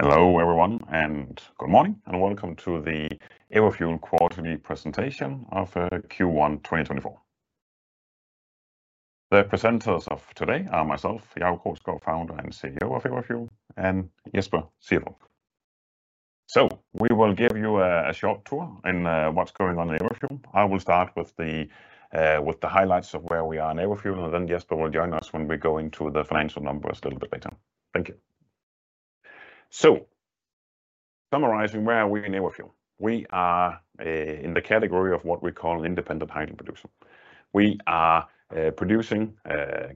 Hello, everyone, and good morning, and welcome to the Everfuel quarterly presentation of Q1 2024. The presenters of today are myself, Jacob Krogsgaard, co-founder and CEO of Everfuel, and Jesper Ejlersen. So we will give you a short tour in what's going on in Everfuel. I will start with the highlights of where we are in Everfuel, and then Jesper will join us when we go into the financial numbers a little bit later. Thank you. So summarizing, where are we in Everfuel? We are in the category of what we call an independent hydrogen producer. We are producing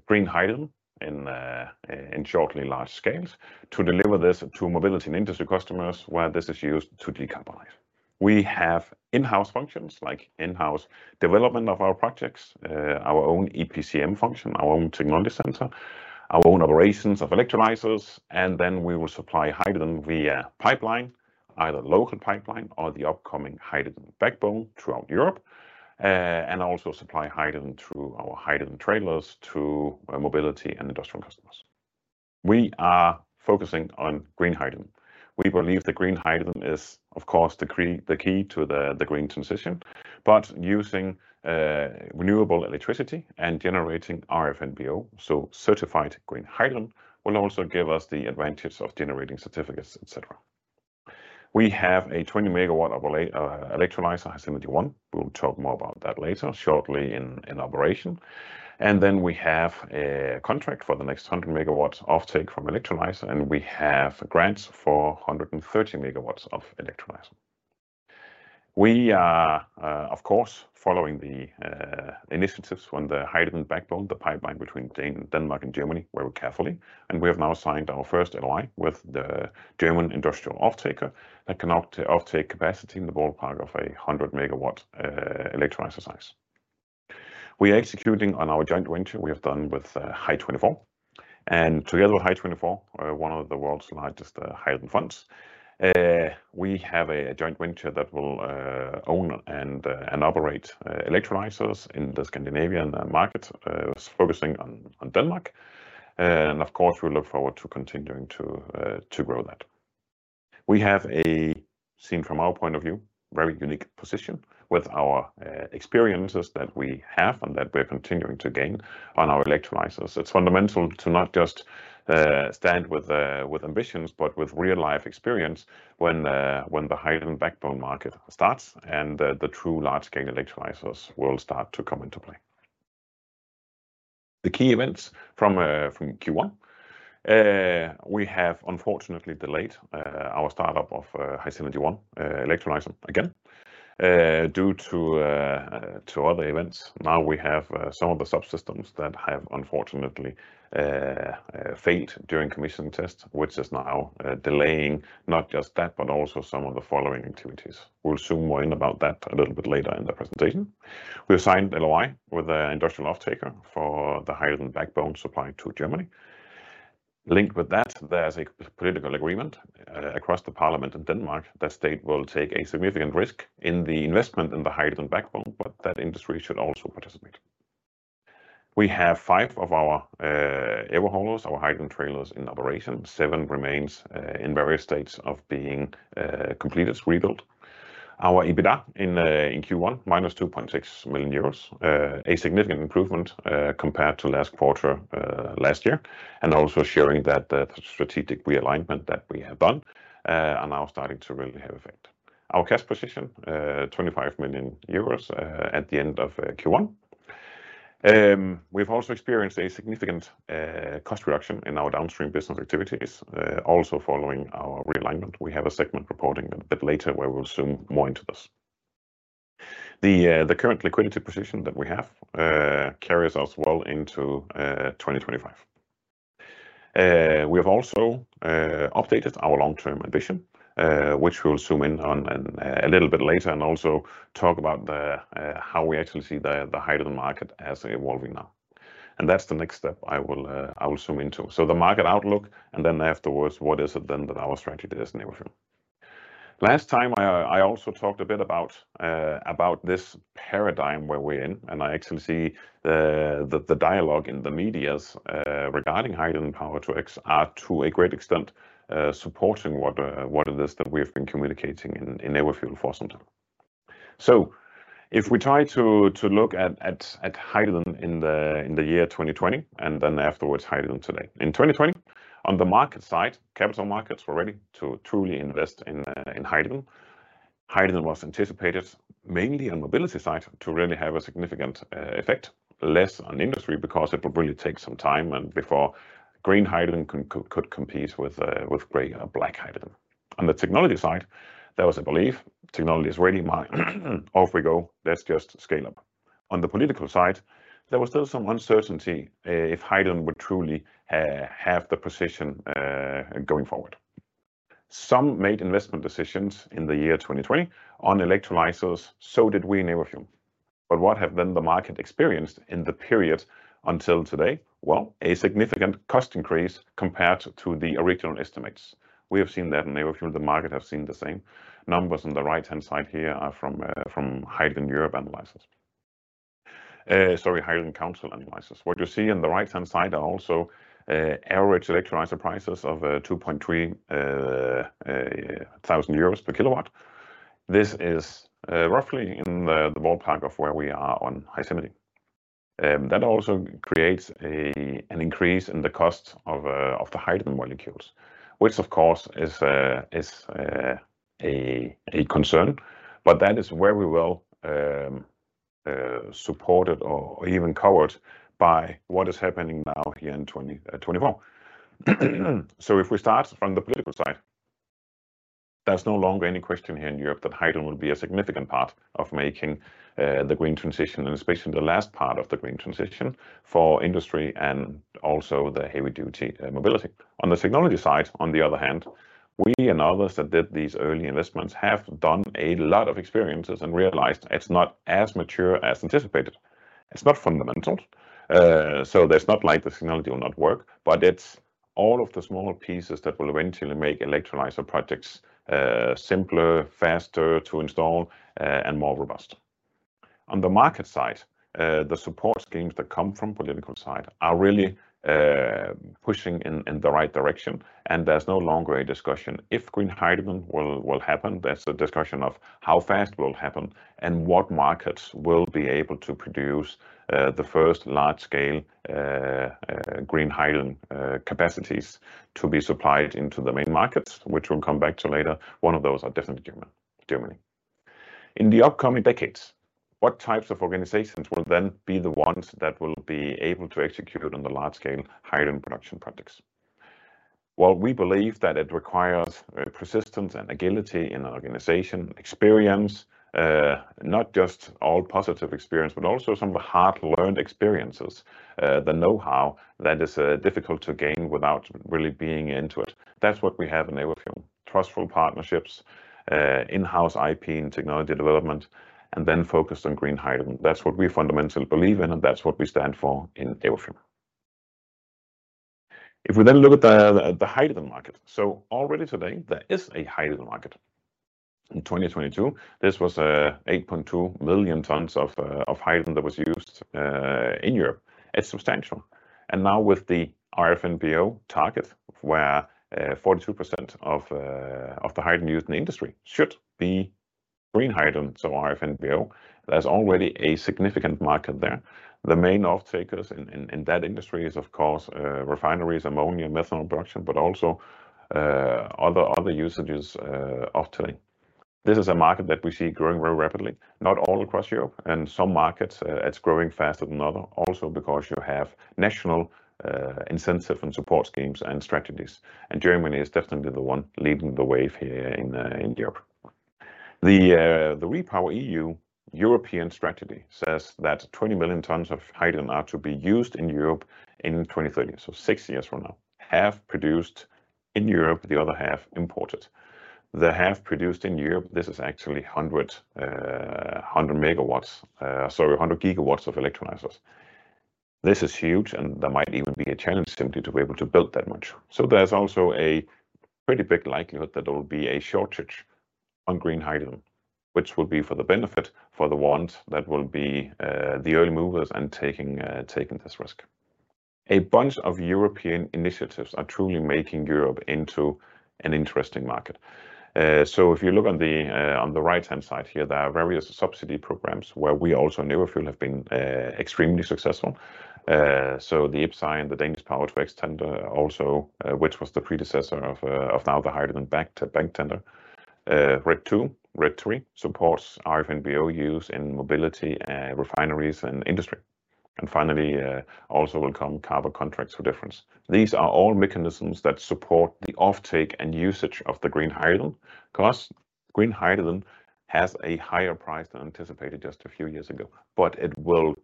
green hydrogen in shortly large scales to deliver this to mobility and industry customers, where this is used to decarbonize. We have in-house functions, like in-house development of our projects, our own EPCM function, our own technology center, our own operations of electrolyzers, and then we will supply hydrogen via pipeline, either local pipeline or the upcoming hydrogen backbone throughout Europe, and also supply hydrogen through our hydrogen trailers to, mobility and industrial customers. We are focusing on green hydrogen. We believe that green hydrogen is, of course, the key, the key to the, the green transition, but using, renewable electricity and generating RFNBO, so certified green hydrogen, will also give us the advantage of generating certificates, et cetera. We have a 20-megawatt electrolyzer, HySynergy. We'll talk more about that later, shortly in operation. And then we have a contract for the next 100 megawatts offtake from electrolyzer, and we have grants for 130 megawatts of electrolyzer. We are, of course, following the initiatives on the hydrogen backbone, the pipeline between Denmark and Germany, very carefully, and we have now signed our first LOI with the German industrial offtaker that can now take offtake capacity in the ballpark of a 100-megawatt electrolyzer size. We are executing on our joint venture we have done with Hy24. And together with Hy24, one of the world's largest hydrogen funds, we have a joint venture that will own and operate electrolyzers in the Scandinavian market, focusing on Denmark. And of course, we look forward to continuing to grow that. We have a, seen from our point of view, very unique position with our experiences that we have and that we're continuing to gain on our electrolyzers. It's fundamental to not just stand with ambitions, but with real-life experience when the hydrogen backbone market starts and the true large-scale electrolyzers will start to come into play. The key events from Q1. We have unfortunately delayed our startup of HySynergy electrolyzer again due to other events. Now, we have some of the subsystems that have unfortunately failed during commissioning tests, which is now delaying not just that, but also some of the following activities. We'll zoom more in about that a little bit later in the presentation. We have signed LOI with an industrial offtaker for the hydrogen backbone supply to Germany. Linked with that, there's a political agreement across the parliament in Denmark that state will take a significant risk in the investment in the hydrogen backbone, but that industry should also participate. We have five of our Everhaulers, our hydrogen trailers, in operation. Seven remains in various states of being completed rebuilt. Our EBITDA in Q1, minus 2.6 million euros, a significant improvement compared to last quarter, last year, and also showing that the strategic realignment that we have done are now starting to really have effect. Our cash position 25 million euros at the end of Q1. We've also experienced a significant cost reduction in our downstream business activities also following our realignment. We have a segment reporting a bit later, where we'll zoom more into this. The current liquidity position that we have carries us well into 2025. We have also updated our long-term ambition, which we'll zoom in on in a little bit later, and also talk about how we actually see the hydrogen market as evolving now. That's the next step I will zoom into. The market outlook, and then afterwards, what is it then that our strategy is in Everfuel? Last time, I also talked a bit about this paradigm where we're in, and I actually see the dialogue in the media regarding hydrogen Power-to-X are, to a great extent, supporting what it is that we have been communicating in Everfuel for some time. So if we try to look at hydrogen in the year 2020, and then afterwards, hydrogen today. In 2020, on the market side, capital markets were ready to truly invest in hydrogen. Hydrogen was anticipated, mainly on mobility side, to really have a significant effect, less on industry, because it would really take some time before green hydrogen could compete with gray and black hydrogen. On the technology side, there was a belief technology is ready. Off we go, let's just scale up. On the political side, there was still some uncertainty if hydrogen would truly have the position going forward. Some made investment decisions in the year 2020 on electrolyzers, so did we in Everfuel. But what have then the market experienced in the period until today? Well, a significant cost increase compared to the original estimates. We have seen that in Everfuel. The market have seen the same. Numbers on the right-hand side here are from, from Hydrogen Europe analysis. Sorry, Hydrogen Council analysis. What you see on the right-hand side are also, average electrolyzer prices of, two point three, thousand euros per kilowatt. This is, roughly in the ballpark of where we are on HySynergy. That also creates an increase in the cost of, of the hydrogen molecules, which of course, is a concern, but that is very well, supported or, even covered by what is happening now here in 2024. So if we start from the political side, there's no longer any question here in Europe that hydrogen will be a significant part of making the green transition, and especially the last part of the green transition, for industry and also the heavy-duty mobility. On the technology side, on the other hand, we and others that did these early investments have done a lot of experiences and realized it's not as mature as anticipated. It's not fundamental. So there's not like the technology will not work, but it's all of the smaller pieces that will eventually make electrolyzer projects simpler, faster to install, and more robust. On the market side, the support schemes that come from political side are really pushing in the right direction, and there's no longer a discussion. If green hydrogen will happen, there's a discussion of how fast will happen and what markets will be able to produce the first large-scale green hydrogen capacities to be supplied into the main markets, which we'll come back to later. One of those are definitely Germany. In the upcoming decades, what types of organizations will then be the ones that will be able to execute on the large-scale hydrogen production projects? Well, we believe that it requires persistence and agility in an organization, experience, not just all positive experience, but also some hard-learned experiences, the know-how that is difficult to gain without really being into it. That's what we have in Everfuel, trustful partnerships, in-house IP and technology development, and then focused on green hydrogen. That's what we fundamentally believe in, and that's what we stand for in Everfuel. If we then look at the hydrogen market, so already today, there is a hydrogen market. In 2022, this was 8.2 million tons of hydrogen that was used in Europe. It's substantial. And now with the RFNBO target, where 42% of the hydrogen used in the industry should be green hydrogen, so RFNBO, there's already a significant market there. The main off-takers in that industry is, of course, refineries, ammonia, methanol production, but also other usages, off-taking. This is a market that we see growing very rapidly, not all across Europe, and some markets, it's growing faster than other, also because you have national incentive and support schemes and strategies. Germany is definitely the one leading the wave here in, in Europe. The, the REPowerEU European strategy says that 20 million tons of hydrogen are to be used in Europe in 2030, so six years from now, half produced in Europe, the other half imported. The half produced in Europe, this is actually 100, 100 megawatts, sorry, 100 gigawatts of electrolyzers. This is huge, and there might even be a challenge simply to be able to build that much. So there's also a pretty big likelihood that there will be a shortage on green hydrogen, which will be for the benefit for the ones that will be, the early movers and taking, taking this risk. A bunch of European initiatives are truly making Europe into an interesting market. So if you look on the on the right-hand side here, there are various subsidy programs where we also, Everfuel, have been extremely successful. So the IPCEI, the Danish Power-to-X tender also, which was the predecessor of of now the hydrogen backbone tender. RED II, RED III supports RFNBO use in mobility and refineries and industry. And finally, also will come carbon contracts for difference. These are all mechanisms that support the offtake and usage of the green hydrogen. Plus, green hydrogen has a higher price than anticipated just a few years ago, but it will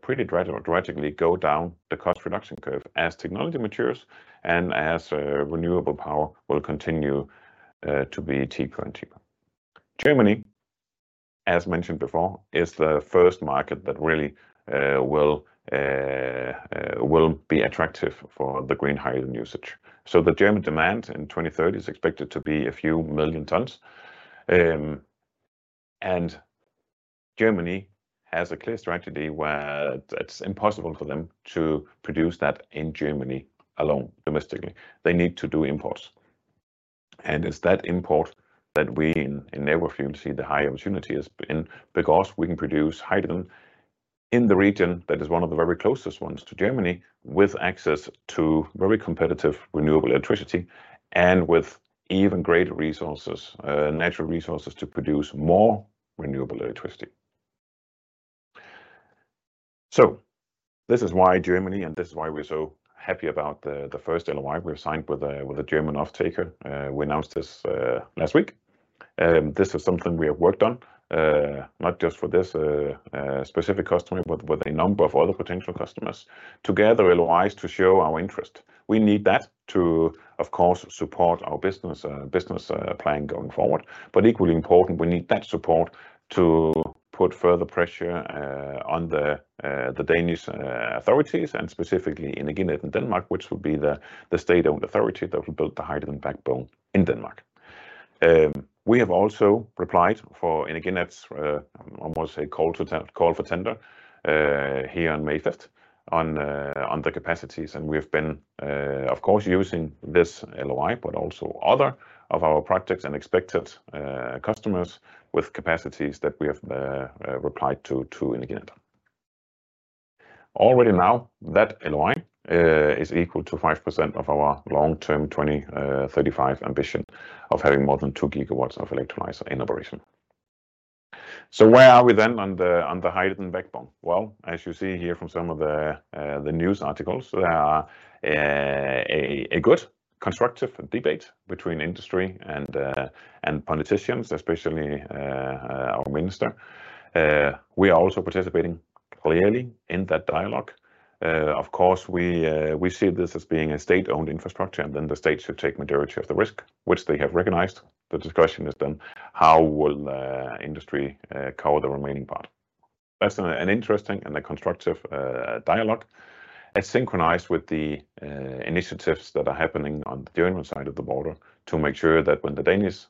pretty drastically go down the cost reduction curve as technology matures and as renewable power will continue to be cheaper and cheaper. Germany, as mentioned before, is the first market that really will be attractive for the green hydrogen usage. So the German demand in 2030 is expected to be a few million tons. And Germany has a clear strategy where it's impossible for them to produce that in Germany alone, domestically. They need to do imports, and it's that import that we in Everfuel see the high opportunity is in, because we can produce hydrogen in the region that is one of the very closest ones to Germany, with access to very competitive, renewable electricity and with even greater resources, natural resources to produce more renewable electricity. So this is why Germany, and this is why we're so happy about the first LOI we've signed with a German offtaker. We announced this last week. This is something we have worked on, not just for this specific customer, but with a number of other potential customers. Together, LOIs to show our interest. We need that to, of course, support our business plan going forward. But equally important, we need that support to put further pressure on the Danish authorities, and specifically Energinet in Denmark, which would be the state-owned authority that will build the hydrogen backbone in Denmark. We have also replied for, and again, that's almost a call for tender here on May fifth on the capacities, and we have been, of course, using this LOI, but also other of our projects and expected customers with capacities that we have replied to, to Energinet. Already now, that LOI is equal to 5% of our long-term 2035 ambition of having more than two gigawatts of electrolyzer in operation. So where are we then on the hydrogen backbone? Well, as you see here from some of the news articles, there is a good constructive debate between industry and politicians, especially our minister. We are also participating clearly in that dialogue. Of course, we see this as being a state-owned infrastructure, and then the state should take majority of the risk, which they have recognized. The discussion is then, how will industry cover the remaining part? That's an interesting and a constructive dialogue. It's synchronized with the initiatives that are happening on the German side of the border to make sure that when the Danish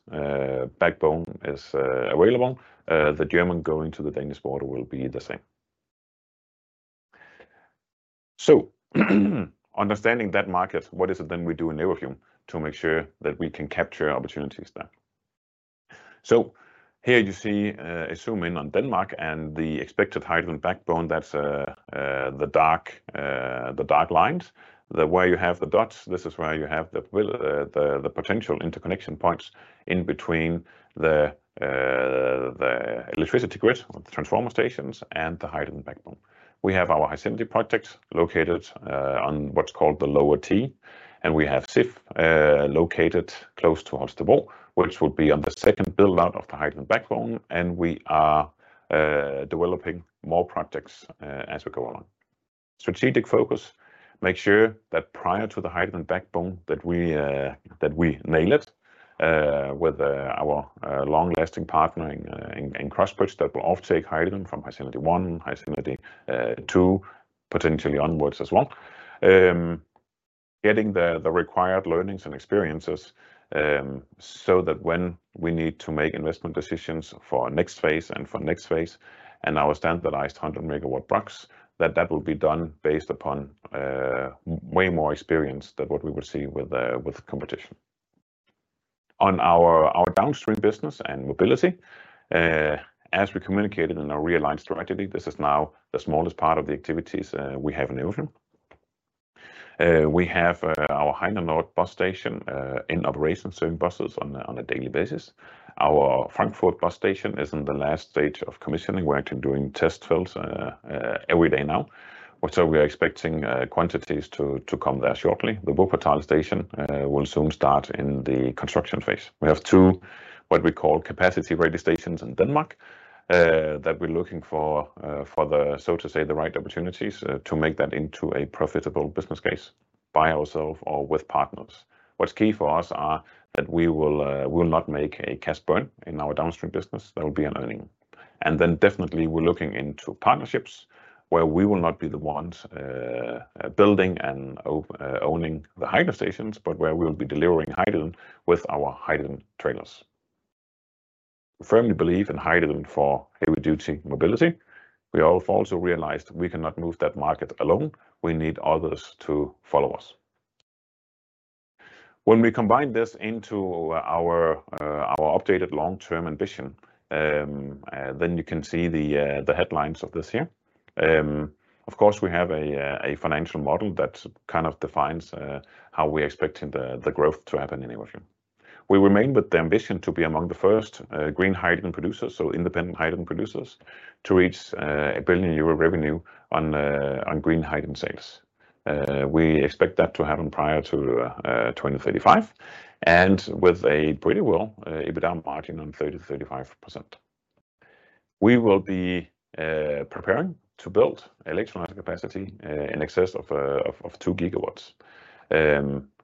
backbone is available, the German going to the Danish border will be the same. So understanding that market, what is it then we do in Everfuel to make sure that we can capture opportunities there? So here you see a zoom in on Denmark and the expected hydrogen backbone. That's the dark lines. The way you have the dots, this is where you have the potential interconnection points in between the electricity grid, the transformer stations, and the hydrogen backbone. We have our HySynergy project located on what's called the lower T, and we have Sif located close towards the vault, which would be on the second build-out of the hydrogen backbone, and we are developing more projects as we go along. Strategic focus, make sure that prior to the hydrogen backbone, that we nail it with our long-lasting partner in Crossbridge that will offtake hydrogen from HySynergy One, HySynergy two, potentially onwards as well. Getting the required learnings and experiences, so that when we need to make investment decisions for our next phase and for next phase and our standardized 100-megawatt blocks, that that will be done based upon way more experience than what we would see with competition. On our downstream business and mobility, as we communicated in our realigned strategy, this is now the smallest part of the activities we have in Everfuel. We have our Heinenoord bus station in operation, serving buses on a daily basis. Our Frankfurt bus station is in the last stage of commissioning. We're actually doing test fills every day now. Also, we are expecting quantities to come there shortly. The Wuppertal station will soon start in the construction phase. We have two, what we call capacity-ready stations in Denmark, that we're looking for the, so to say, the right opportunities to make that into a profitable business case by ourselves or with partners. What's key for us are that we will not make a cash burn in our downstream business. There will be an earning. And then definitely we're looking into partnerships where we will not be the ones, building and owning the hydrogen stations, but where we will be delivering hydrogen with our hydrogen trailers. We firmly believe in hydrogen for heavy-duty mobility. We have also realized we cannot move that market alone. We need others to follow us. When we combine this into our, our updated long-term ambition, then you can see the, the headlines of this here. Of course, we have a, a financial model that kind of defines, how we're expecting the, the growth to happen in Everfuel. We remain with the ambition to be among the first, green hydrogen producers, so independent hydrogen producers, to reach, 1 billion euro revenue on, on green hydrogen sales. We expect that to happen prior to 2035, and with a pretty well EBITDA margin on 30%-35%. We will be preparing to build electrolyzer capacity in excess of two gigawatts.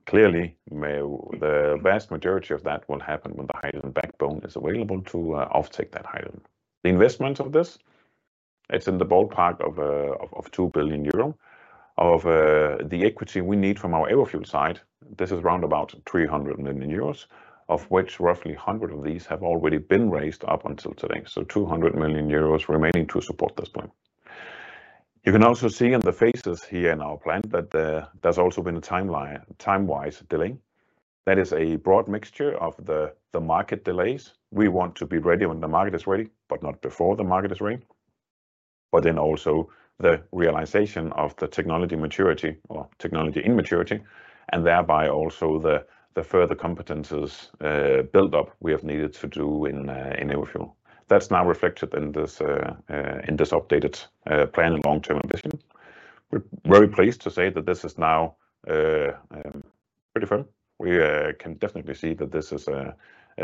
Clearly, may- the vast majority of that will happen when the Hydrogen Backbone is available to offtake that hydrogen. The investment of this, it's in the ballpark of 2 billion euro. Of the equity we need from our Everfuel side, this is round about 300 million euros, of which roughly 100 of these have already been raised up until today. So 200 million euros remaining to support this plan. You can also see in the phases here in our plan that there's also been a timeline, time-wise delay. That is a broad mixture of the market delays. We want to be ready when the market is ready, but not before the market is ready. But then also the realization of the technology maturity or technology immaturity, and thereby also the further competences build-up we have needed to do in Everfuel. That's now reflected in this updated plan and long-term ambition. We're very pleased to say that this is now pretty firm. We can definitely see that this is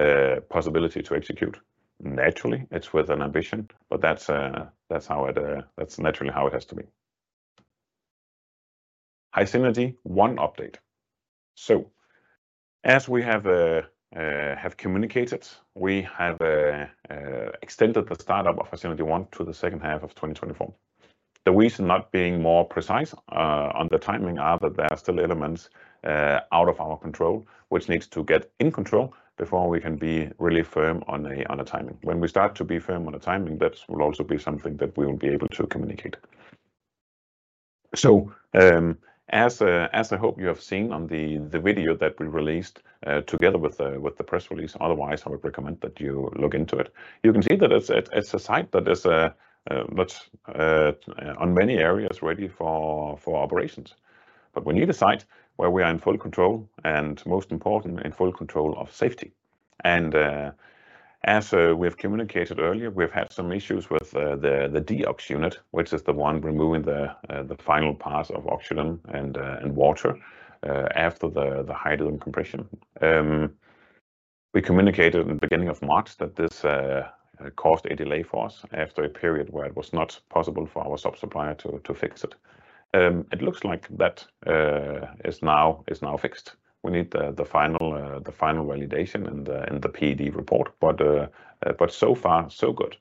a possibility to execute. Naturally, it's with an ambition, but that's how it, that's naturally how it has to be. HySynergy one update. So as we have communicated, we have extended the startup of HySynergy one to the second half of 2024. The reason not being more precise on the timing are that there are still elements out of our control, which needs to get in control before we can be really firm on a timing. When we start to be firm on a timing, that will also be something that we will be able to communicate. So, as I hope you have seen on the video that we released together with the press release, otherwise, I would recommend that you look into it. You can see that it's a site that's on many areas ready for operations. But we need a site where we are in full control, and most important, in full control of safety. As we have communicated earlier, we've had some issues with the Deoxo unit, which is the one removing the final parts of oxygen and water after the hydrogen compression. We communicated in the beginning of March that this caused a delay for us after a period where it was not possible for our sub-supplier to fix it. It looks like that is now fixed. We need the final validation and the PED report, but so far, so good.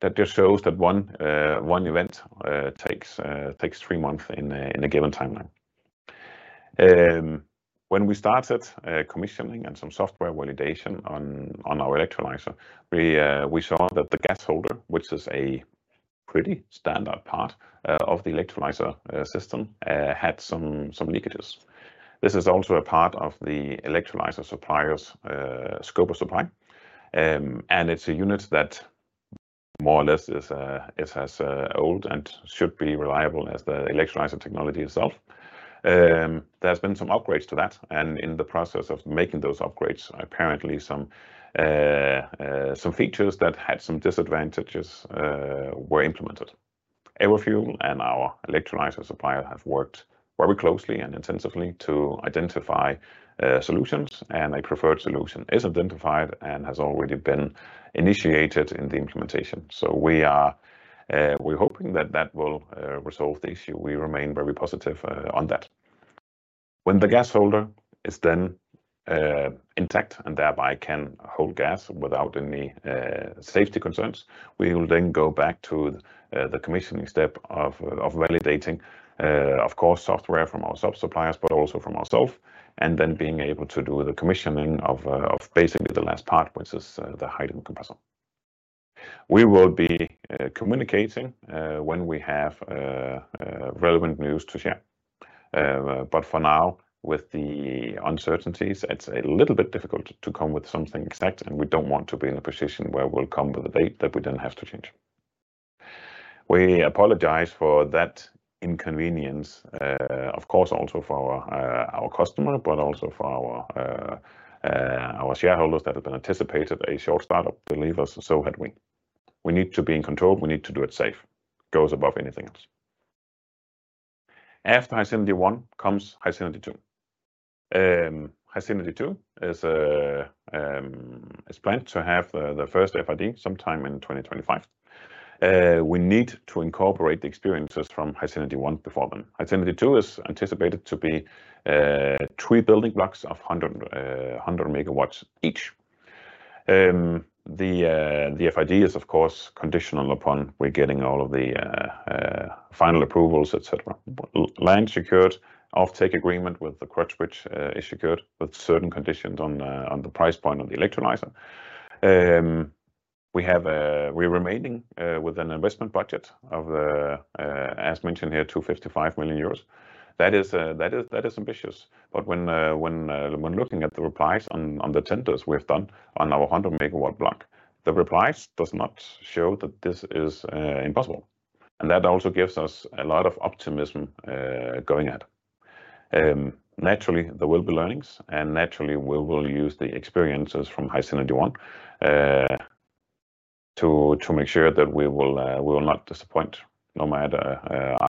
That just shows that one event takes three months in a given timeline. When we started commissioning and some software validation on our electrolyzer, we saw that the gas holder, which is a pretty standard part of the electrolyzer system, had some leakages. This is also a part of the electrolyzer supplier's scope of supply. It's a unit that more or less is as old and should be reliable as the electrolyzer technology itself. There's been some upgrades to that, and in the process of making those upgrades, apparently some features that had some disadvantages were implemented. Everfuel and our electrolyzer supplier have worked very closely and intensively to identify solutions, and a preferred solution is identified and has already been initiated in the implementation. So we're hoping that will resolve the issue. We remain very positive on that. When the gas holder is then intact and thereby can hold gas without any safety concerns, we will then go back to the commissioning step of validating, of course, software from our sub-suppliers, but also from ourself, and then being able to do the commissioning of basically the last part, which is the hydrogen compressor. We will be communicating when we have relevant news to share. But for now, with the uncertainties, it's a little bit difficult to come with something exact, and we don't want to be in a position where we'll come with a date that we then have to change. We apologize for that inconvenience, of course, also for our customer, but also for our shareholders that have anticipated a short start-up. Believe us, so had we. We need to be in control. We need to do it safe. Goes above anything else. After HySynergy One comes HySynergy Two. HySynergy Two is planned to have the first FID sometime in 2025. We need to incorporate the experiences from HySynergy One before then. HySynergy Two is anticipated to be three building blocks of 100 megawatts each. The FID is, of course, conditional upon we getting all of the final approvals, et cetera. Land secured, offtake agreement with the client, which is secured with certain conditions on the price point of the electrolyzer. We have, we're remaining with an investment budget of, as mentioned here, 255 million euros. That is ambitious, but when looking at the replies on the tenders we have done on our 100-megawatt block, the replies does not show that this is impossible, and that also gives us a lot of optimism going ahead. Naturally, there will be learnings, and naturally, we will use the experiences from HySynergy One to make sure that we will not disappoint, no matter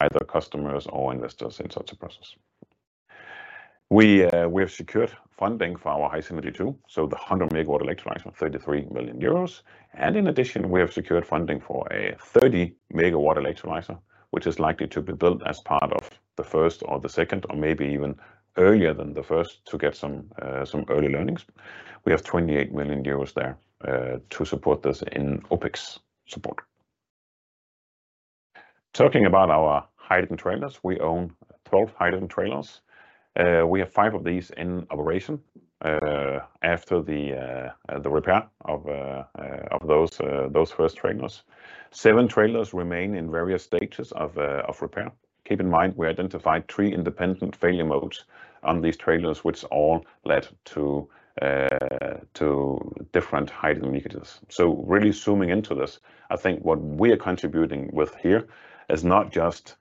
either customers or investors in such a process. We have secured funding for our HySynergy Two, so the 100-megawatt electrolyzer, 33 million euros. In addition, we have secured funding for a 30-megawatt electrolyzer, which is likely to be built as part of the first or the second, or maybe even earlier than the first to get some early learnings. We have 28 million euros there to support this in OpEx support. Talking about our hydrogen trailers, we own 12 hydrogen trailers. We have five of these in operation after the repair of those first trailers. Seven trailers remain in various stages of repair. Keep in mind, we identified three independent failure modes on these trailers, which all led to different hydrogen leakages. So really zooming into this, I think what we are contributing with here is not just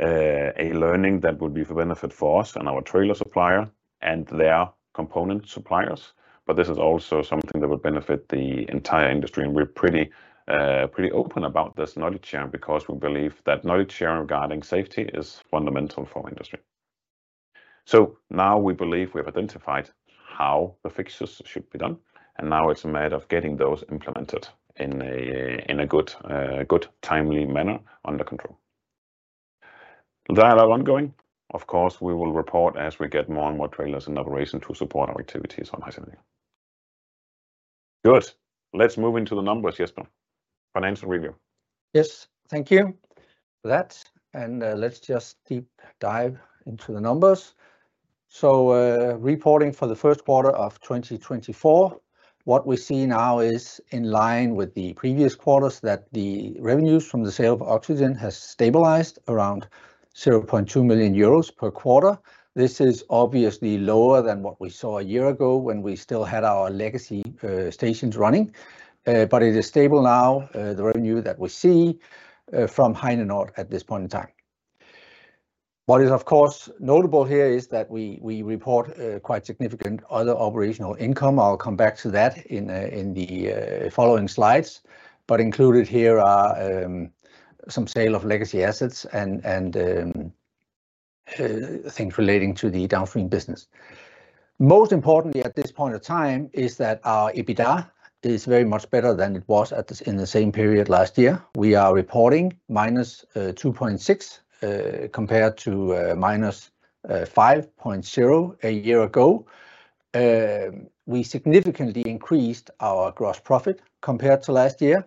a learning that would be of benefit for us and our trailer supplier and their component suppliers, but this is also something that would benefit the entire industry, and we're pretty, pretty open about this knowledge share because we believe that knowledge share regarding safety is fundamental for our industry. So now we believe we have identified how the fixes should be done, and now it's a matter of getting those implemented in a, in a good, good, timely manner under control. Dialogue ongoing. Of course, we will report as we get more and more trailers in operation to support our activities on HySynergy. Good. Let's move into the numbers, Jesper. Financial review. Yes, thank you for that, and let's just deep dive into the numbers. So, reporting for the first quarter of 2024, what we see now is in line with the previous quarters, that the revenues from the sale of oxygen has stabilized around 0.2 million euros per quarter. This is obviously lower than what we saw a year ago when we still had our legacy stations running. But it is stable now, the revenue that we see from Heinenoord at this point in time. What is, of course, notable here is that we report quite significant other operational income. I'll come back to that in the following slides. But included here are some sale of legacy assets and things relating to the downstream business. Most importantly, at this point of time, is that our EBITDA is very much better than it was at this, in the same period last year. We are reporting -2.6 compared to -5.0 a year ago. We significantly increased our gross profit compared to last year.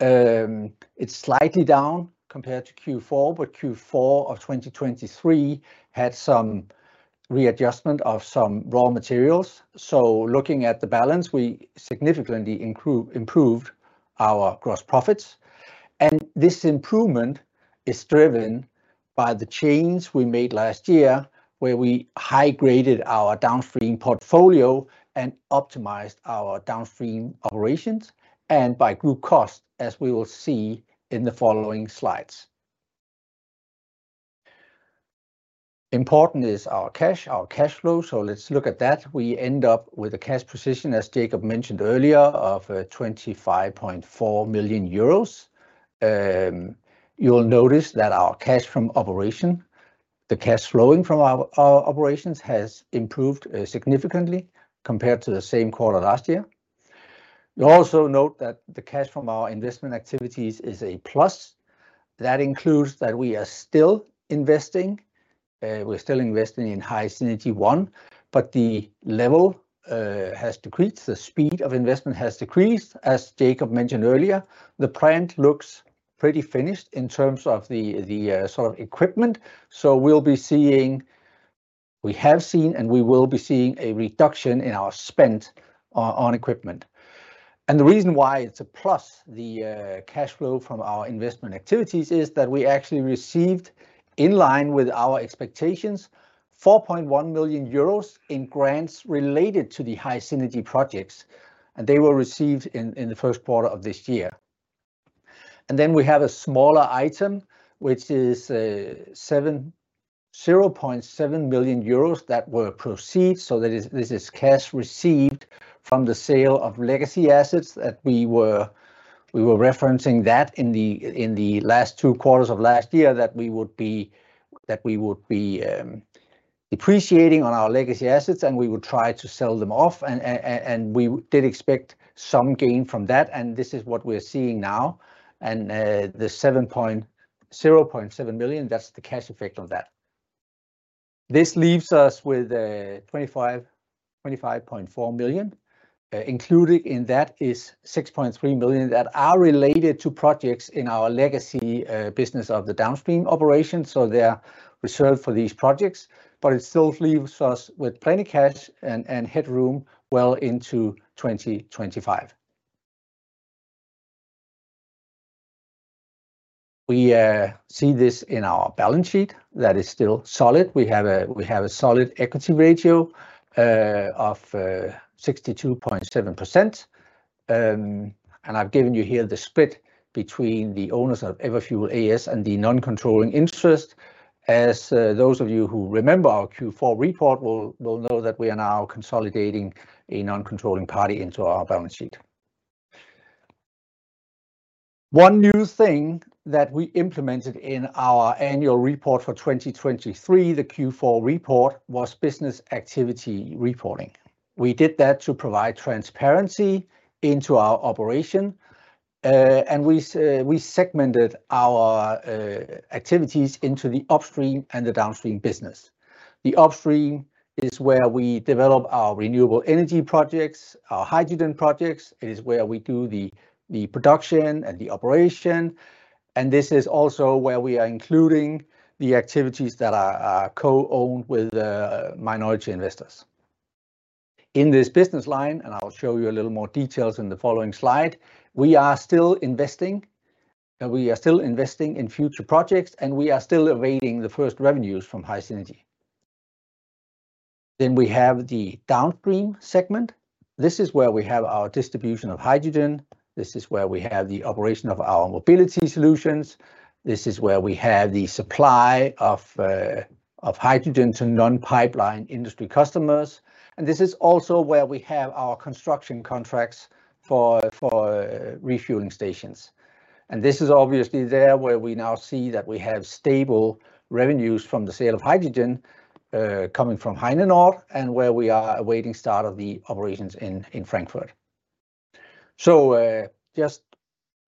It's slightly down compared to Q4, but Q4 of 2023 had some readjustment of some raw materials. So looking at the balance, we significantly improved our gross profits, and this improvement is driven by the changes we made last year, where we high-graded our downstream portfolio and optimized our downstream operations and by group cost, as we will see in the following slides. Important is our cash, our cash flow, so let's look at that. We end up with a cash position, as Jacob mentioned earlier, of 25.4 million euros. You'll notice that our cash from operation, the cash flowing from our, our operations, has improved significantly compared to the same quarter last year. You'll also note that the cash from our investment activities is a plus. That includes that we are still investing, we're still investing in HySynergy One, but the level has decreased. The speed of investment has decreased. As Jacob mentioned earlier, the plant looks pretty finished in terms of the, the sort of equipment. So we'll be seeing. We have seen, and we will be seeing a reduction in our spend on, on equipment. The reason why it's a plus, the cash flow from our investment activities, is that we actually received, in line with our expectations, 4.1 million euros in grants related to the HySynergy projects, and they were received in the first quarter of this year. Then we have a smaller item, which is 0.7 Million euros that were proceeds. So that is this is cash received from the sale of legacy assets that we were referencing that in the last two quarters of last year, that we would be depreciating on our legacy assets, and we would try to sell them off. And we did expect some gain from that, and this is what we're seeing now. The 7.07 million, that's the cash effect on that. This leaves us with 25, 25.4 million. Included in that is 6.3 million that are related to projects in our legacy business of the downstream operation, so they're reserved for these projects, but it still leaves us with plenty of cash and headroom well into 2025. We see this in our balance sheet. That is still solid. We have a solid equity ratio of 62.7%. And I've given you here the split between the owners of Everfuel A/S and the non-controlling interest. As those of you who remember our Q4 report will know that we are now consolidating a non-controlling party into our balance sheet. One new thing that we implemented in our annual report for 2023, the Q4 report, was business activity reporting. We did that to provide transparency into our operation, and we segmented our activities into the upstream and the downstream business. The upstream is where we develop our renewable energy projects, our hydrogen projects. It is where we do the production and the operation, and this is also where we are including the activities that are co-owned with minority investors. In this business line, and I'll show you a little more details in the following slide, we are still investing in future projects, and we are still awaiting the first revenues from HySynergy. Then we have the downstream segment. This is where we have our distribution of hydrogen. This is where we have the operation of our mobility solutions. This is where we have the supply of hydrogen to non-pipeline industry customers, and this is also where we have our construction contracts for refueling stations. And this is obviously there, where we now see that we have stable revenues from the sale of hydrogen coming from Heinenoord, and where we are awaiting start of the operations in Frankfurt. So,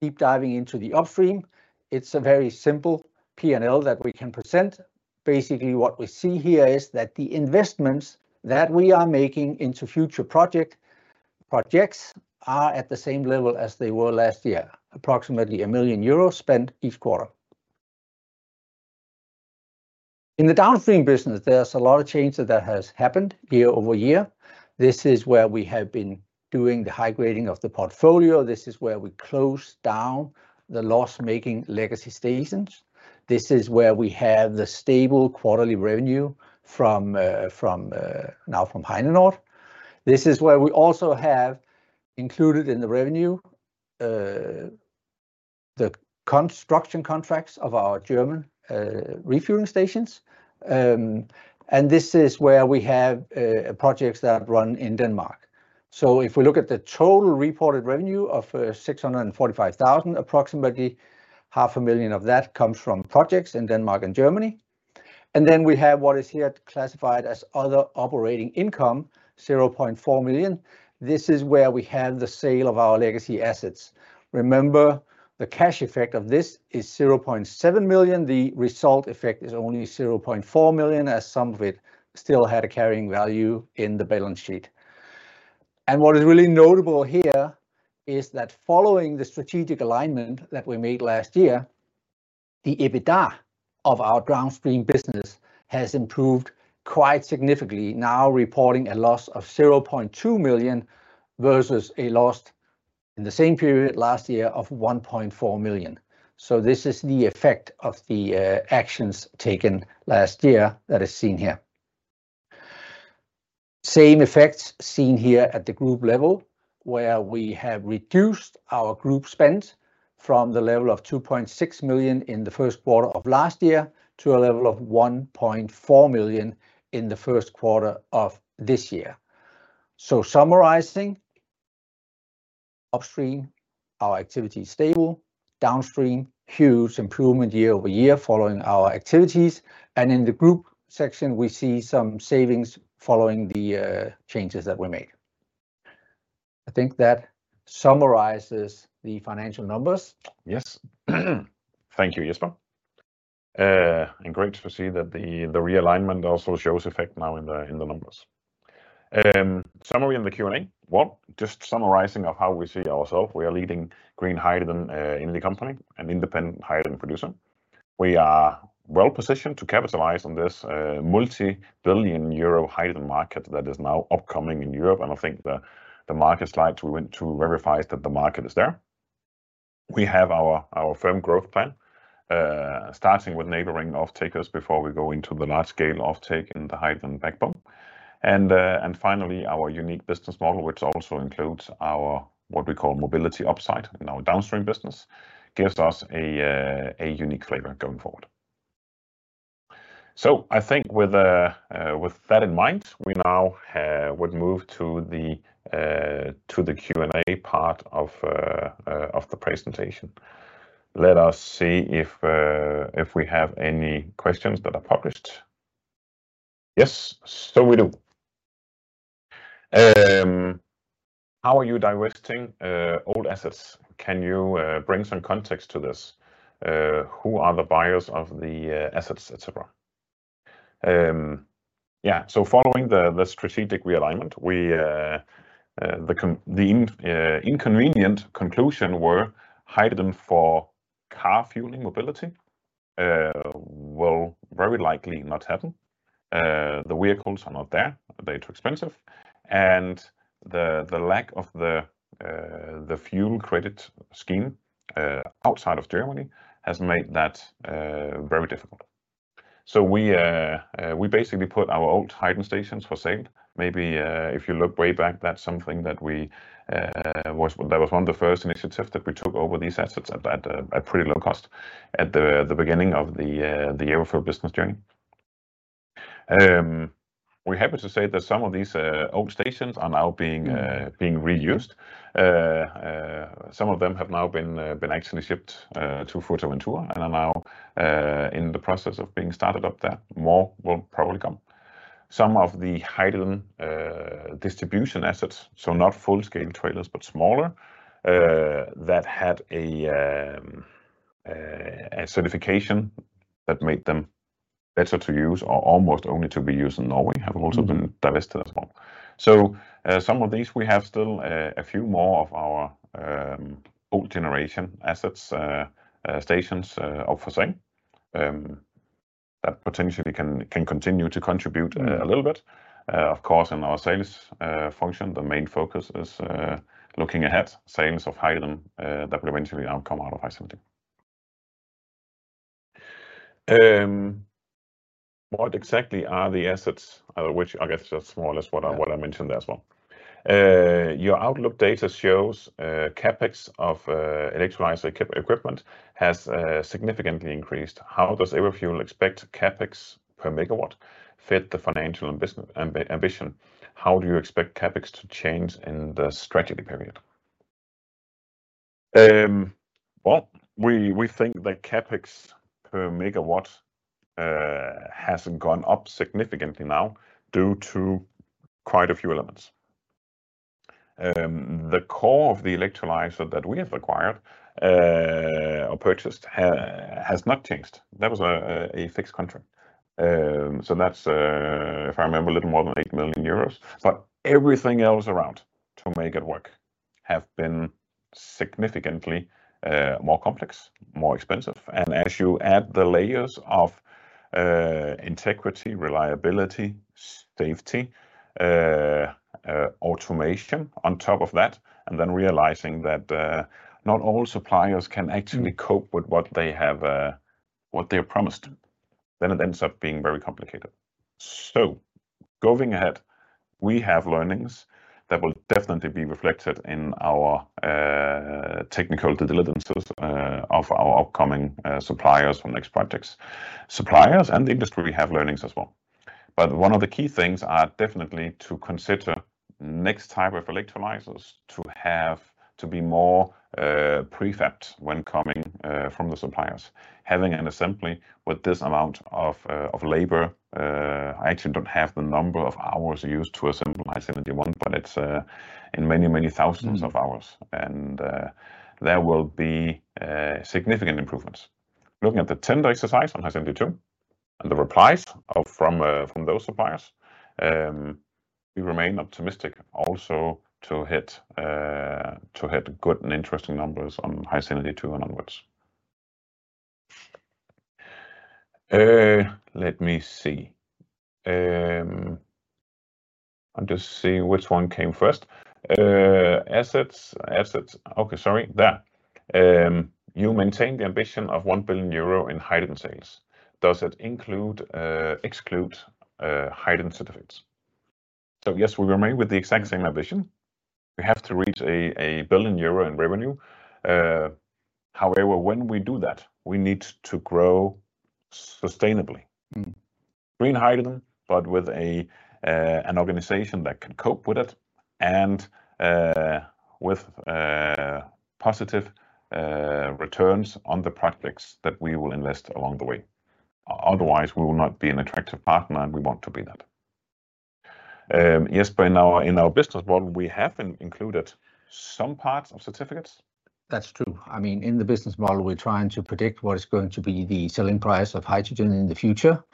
Deep diving into the upstream, it's a very simple PNL that we can present. Basically, what we see here is that the investments that we are making into future project, projects are at the same level as they were last year, approximately 1 million euros spent each quarter. In the downstream business, there's a lot of changes that has happened year-over-year. This is where we have been doing the high grading of the portfolio. This is where we closed down the loss-making legacy stations. This is where we have the stable quarterly revenue from, from, now from Heinenoord. This is where we also have included in the revenue, the construction contracts of our German refueling stations. And this is where we have projects that run in Denmark. So if we look at the total reported revenue of 645,000, approximately 500,000 of that comes from projects in Denmark and Germany. And then we have what is here classified as other operating income, 0.4 million. This is where we have the sale of our legacy assets. Remember, the cash effect of this is 0.7 million. The result effect is only 0.4 million, as some of it still had a carrying value in the balance sheet. What is really notable here is that following the strategic alignment that we made last year, the EBITDA of our downstream business has improved quite significantly, now reporting a loss of 0.2 million, versus a loss in the same period last year of 1.4 million. This is the effect of the actions taken last year that is seen here. Same effects seen here at the group level, where we have reduced our group spend from the level of 2.6 million in the first quarter of last year to a level of 1.4 million in the first quarter of this year. Summarizing, upstream, our activity is stable. Downstream, huge improvement year-over-year following our activities, and in the group section, we see some savings following the, changes that we made. I think that summarizes the financial numbers. Yes. Thank you, Jesper. And great to see that the realignment also shows effect now in the numbers. Summary in the Q&A. Well, just summarizing of how we see ourselves, we are a leading green hydrogen energy company, an independent hydrogen producer. We are well-positioned to capitalize on this multi-billion-EUR hydrogen market that is now upcoming in Europe, and I think the market slides we went through verifies that the market is there. We have our firm growth plan, starting with neighboring off-takers before we go into the large-scale off-take in the hydrogen backbone. And finally, our unique business model, which also includes our what we call mobility upside in our downstream business, gives us a unique flavor going forward. So I think with that in mind, we now would move to the Q&A part of the presentation. Let us see if we have any questions that are published. Yes, so we do. How are you divesting old assets? Can you bring some context to this? Who are the buyers of the assets, et cetera? Yeah, so following the strategic realignment, we came to the inconvenient conclusion that hydrogen for car fueling mobility will very likely not happen. The vehicles are not there. They're too expensive, and the lack of the fuel credit scheme outside of Germany has made that very difficult. So we basically put our old hydrogen stations for sale. Maybe, if you look way back, that's something that was one of the first initiatives that we took over these assets at a pretty low cost at the beginning of the year of our business journey. We're happy to say that some of these old stations are now being reused. Some of them have now been actually shipped to Pau and Tours, and are now in the process of being started up there. More will probably come. Some of the hydrogen distribution assets, so not full-scale trailers, but smaller, that had a certification that made them better to use or almost only to be used in Norway, have also been divested as well. So, some of these, we have still a few more of our old generation assets, stations up for sale, that potentially can continue to contribute a little bit. Of course, in our sales function, the main focus is looking ahead, sales of hydrogen that will eventually now come out of HySynergy. What exactly are the assets? Which I guess is more or less what I mentioned as well. Your outlook data shows CapEx of electrolyzer equipment has significantly increased. How does Everfuel expect CapEx per megawatt fit the financial and business ambition? How do you expect CapEx to change in the strategy period? Well, we think that CapEx per megawatt hasn't gone up significantly now due to quite a few elements. The core of the electrolyzer that we have acquired, or purchased has not changed. That was a fixed contract. So that's, if I remember, a little more than 8 million euros. But everything else around to make it work have been significantly more complex, more expensive. And as you add the layers of integrity, reliability, safety, automation on top of that, and then realizing that not all suppliers can actually cope with what they have, what they have promised, then it ends up being very complicated. So going ahead, we have learnings that will definitely be reflected in our technical due diligence of our upcoming suppliers for next projects. Suppliers and the industry have learnings as well. But one of the key things are definitely to consider next type of electrolyzers to have to be more prefabbed when coming from the suppliers. Having an assembly with this amount of labor, I actually don't have the number of hours used to assemble HySynergy One, but it's in many, many thousands of hours, and there will be significant improvements. Looking at the tender exercise on HySynergy Two and the replies from those suppliers, we remain optimistic also to hit good and interesting numbers on HySynergy Two and onwards. Let me see. I'm just seeing which one came first. Assets. Assets. Okay, sorry, there. You maintain the ambition of 1 billion euro in hydrogen sales. Does it include, exclude, hydrogen certificates? So, yes, we remain with the exact same ambition. We have to reach 1 billion euro in revenue. However, when we do that, we need to grow sustainably. Mm. Green hydrogen, but with an organization that can cope with it and with positive returns on the projects that we will invest along the way. Otherwise, we will not be an attractive partner, and we want to be that. Yes, but in our business model, we have included some parts of certificates. That's true. I mean, in the business model, we're trying to predict what is going to be the selling price of hydrogen in the future,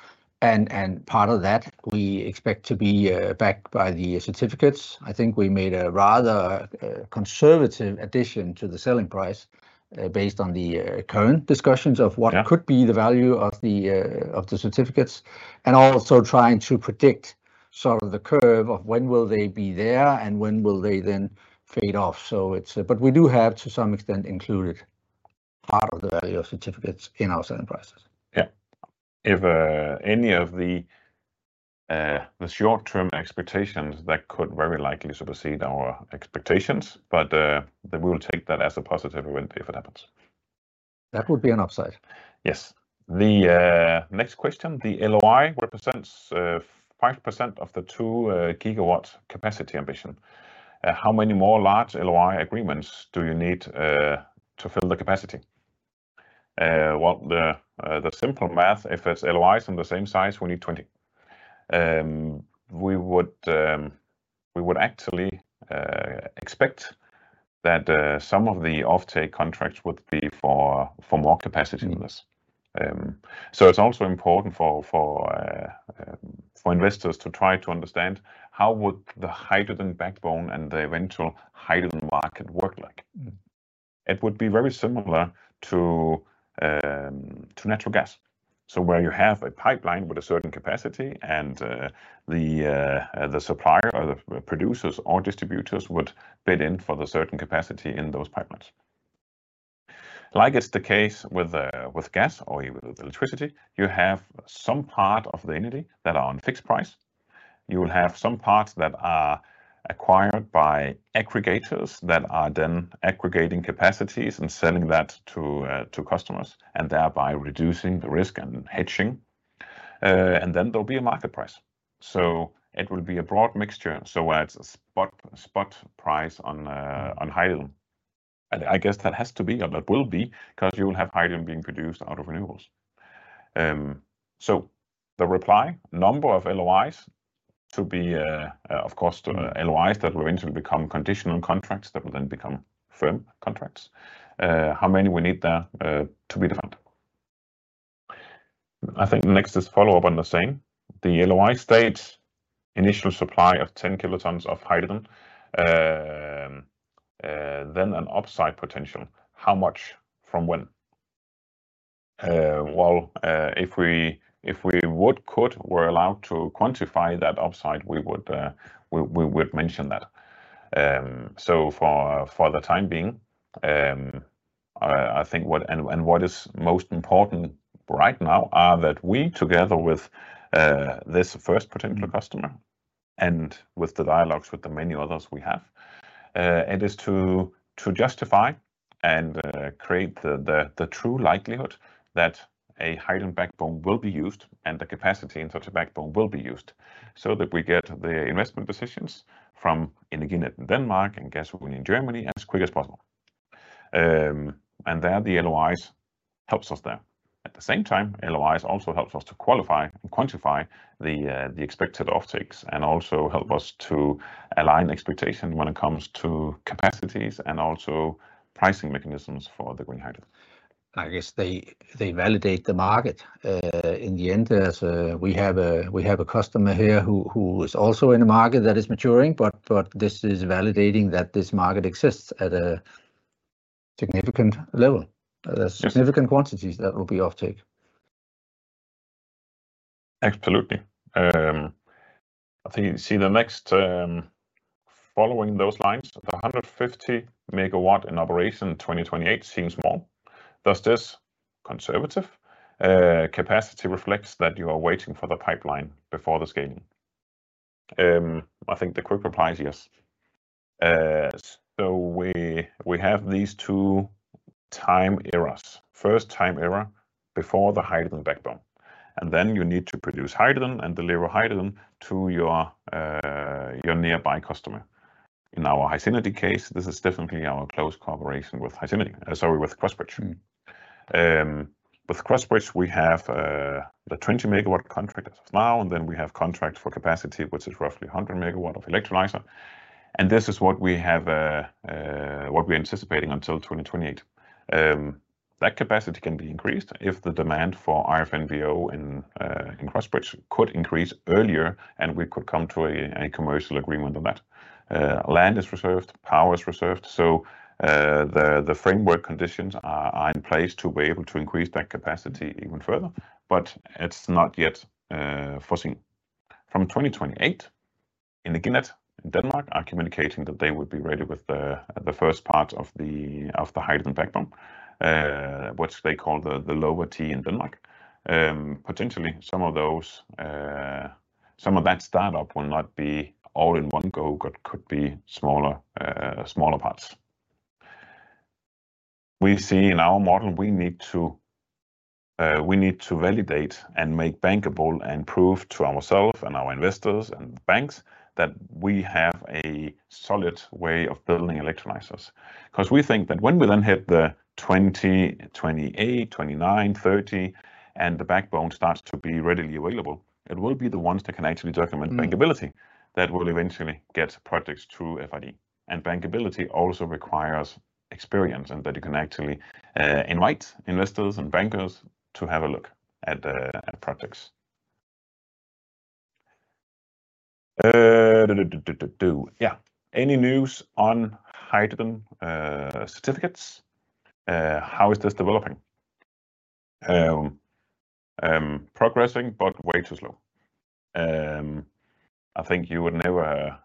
and part of that we expect to be backed by the certificates. I think we made a rather conservative addition to the selling price, based on the current discussions of what- Yeah ..could be the value of the, of the certificates, and also trying to predict sort of the curve of when will they be there and when will they then fade off. So it's... But we do have, to some extent, included part of the value of certificates in our selling prices. Yeah. If any of the short-term expectations that could very likely supersede our expectations, but then we will take that as a positive and pay if it happens. That would be an upside. Yes. The next question: The LOI represents 5% of the two gigawatt capacity ambition. How many more large LOI agreements do you need to fill the capacity? Well, the simple math, if it's LOIs in the same size, we need 20. We would actually expect that some of the offtake contracts would be for more capacity than this. So it's also important for investors to try to understand how would the hydrogen backbone and the eventual hydrogen market work like? Mm. It would be very similar to natural gas. So where you have a pipeline with a certain capacity, and the supplier or the producers or distributors would bid in for the certain capacity in those pipelines. Like it's the case with gas or with electricity, you have some part of the energy that are on fixed price. You will have some parts that are acquired by aggregators that are then aggregating capacities and selling that to customers, and thereby reducing the risk and hedging. And then there'll be a market price. So it will be a broad mixture, so at a spot, spot price on hydrogen. And I guess that has to be, or that will be, because you will have hydrogen being produced out of renewables. So the reply, number of LOIs to be, of course, the LOIs that will eventually become conditional contracts that will then become firm contracts. How many we need there? To be defined. I think next is follow-up on the same. The LOI states initial supply of 10 kilotons of hydrogen, then an upside potential. How much? From when? Well, if we, if we would, could, were allowed to quantify that upside, we would, we, we would mention that. So for the time being, I think, and what is most important right now is that we, together with this first particular customer and with the dialogues with the many others we have, it is to justify and create the true likelihood that a hydrogen backbone will be used and the capacity in such a backbone will be used, so that we get the investment decisions from Energinet in Denmark and Gasunie in Germany as quick as possible. And there the LOIs helps us there. At the same time, LOIs also helps us to qualify and quantify the expected offtakes, and also help us to align expectation when it comes to capacities and also pricing mechanisms for the green hydrogen. I guess they validate the market in the end, as we have a customer here who is also in a market that is maturing, but this is validating that this market exists at a significant level. Yes. significant quantities that will be offtake. Absolutely. I think you see the next, following those lines, the 150-megawatt in operation in 2028 seems small. Does this conservative capacity reflects that you are waiting for the pipeline before the scaling? I think the quick reply is yes. So we have these two time eras. First time era before the hydrogen backbone, and then you need to produce hydrogen and deliver hydrogen to your nearby customer. In our HySynergy case, this is definitely our close cooperation with HySynergy, sorry, with Crossbridge. With Crossbridge, we have the 20-megawatt contract as of now, and then we have contract for capacity, which is roughly a 100-megawatt of electrolyzer, and this is what we have, what we're anticipating until 2028. That capacity can be increased if the demand for RFNBO in Crossbridge could increase earlier, and we could come to a commercial agreement on that. Land is reserved, power is reserved, so the framework conditions are in place to be able to increase that capacity even further, but it's not yet forcing. From 2028, in the Energinet in Denmark are communicating that they would be ready with the first part of the hydrogen backbone, which they call the lower T in Denmark. Potentially some of those, some of that startup will not be all in one go, but could be smaller parts. We see in our model, we need to validate and make bankable and prove to ourselves and our investors and banks that we have a solid way of building electrolyzers. 'Cause we think that when we then hit the 2028, 2029, 2030, and the backbone starts to be readily available, it will be the ones that can actually document bankability- Mm... that will eventually get projects through FID. And bankability also requires experience, and that you can actually invite investors and bankers to have a look at the projects. Any news on hydrogen certificates? How is this developing? Progressing, but way too slow. I think you would never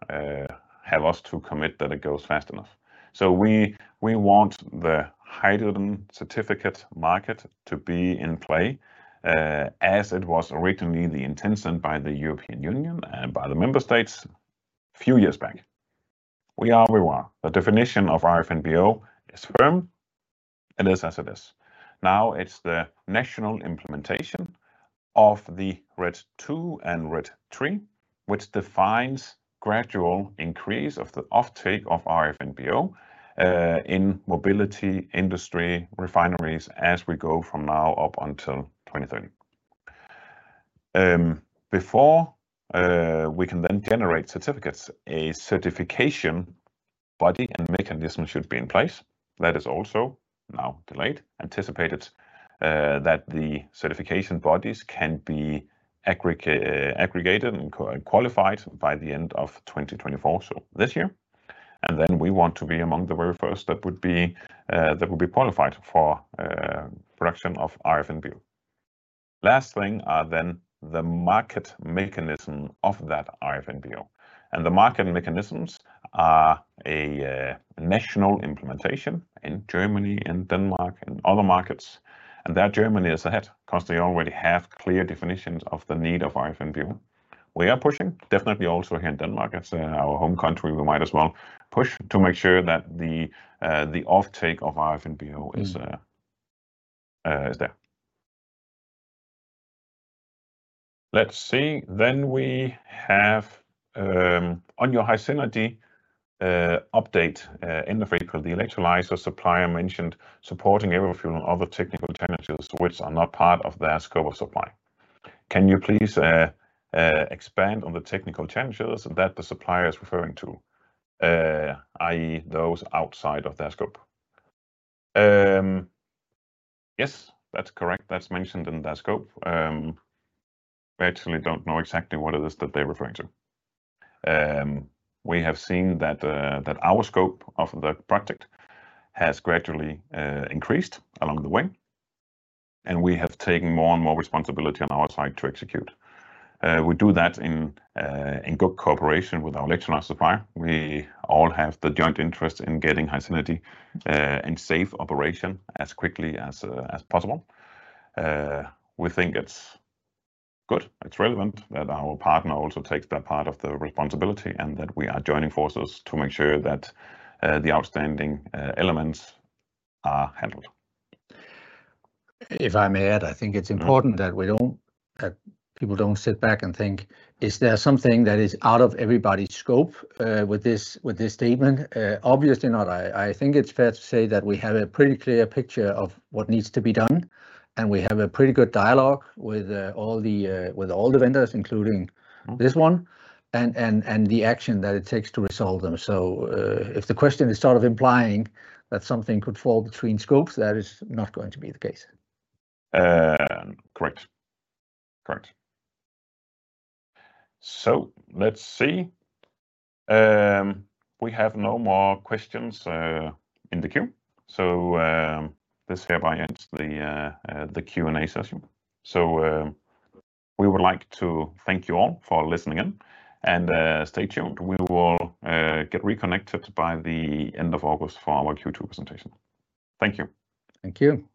have us to commit that it goes fast enough. So we want the hydrogen certificate market to be in play, as it was originally the intention by the European Union and by the member states a few years back. We are where we are. The definition of RFNBO is firm, it is as it is. Now it's the national implementation of the RED II and RED III, which defines gradual increase of the offtake of RFNBO in mobility, industry, refineries, as we go from now up until 2030. Before we can then generate certificates, a certification body and mechanism should be in place. That is also now delayed. Anticipated that the certification bodies can be aggregated and qualified by the end of 2024, so this year, and then we want to be among the very first that would be qualified for production of RFNBO. Last thing are then the market mechanism of that RFNBO, and the market mechanisms are a national implementation in Germany and Denmark and other markets, and there Germany is ahead, because they already have clear definitions of the need of RFNBO. We are pushing, definitely also here in Denmark. It's our home country. We might as well push to make sure that the offtake of RFNBO is- Mm... is there. Let's see, then we have, on your HySynergy, update, in the feed, the electrolyzer supplier mentioned supporting every other technical alternatives which are not part of their scope of supply. Can you please, expand on the technical alternatives that the supplier is referring to, i.e., those outside of their scope? Yes, that's correct. That's mentioned in their scope. We actually don't know exactly what it is that they're referring to. We have seen that our scope of the project has gradually, increased along the way, and we have taken more and more responsibility on our side to execute. We do that in, in good cooperation with our electrolyzer supplier. We all have the joint interest in getting HySynergy, in safe operation as quickly as, as possible. We think it's good, it's relevant that our partner also takes that part of the responsibility, and that we are joining forces to make sure that the outstanding elements are handled. If I may add, I think it's important- Mm... that we don't, people don't sit back and think, is there something that is out of everybody's scope, with this, with this statement? Obviously not. I, I think it's fair to say that we have a pretty clear picture of what needs to be done, and we have a pretty good dialogue with, all the, with all the vendors, including this one- Mm... and the action that it takes to resolve them. So, if the question is sort of implying that something could fall between scopes, that is not going to be the case. Correct. Correct. So let's see. We have no more questions in the queue, so this hereby ends the Q&A session. So, we would like to thank you all for listening in, and stay tuned. We will get reconnected by the end of August for our Q2 presentation. Thank you. Thank you.